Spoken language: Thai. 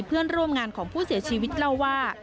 เพื่อนร่วมงานของผู้เสียชีวิตเล่าว่า